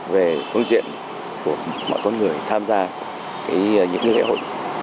về phương diện của mọi con người tham gia những cái lễ hội